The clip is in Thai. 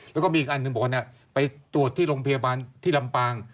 แล้วก็มีอีกอันหนึ่งบอกว่าไปตรวจที่โรงพยาบาลที่ลำปาง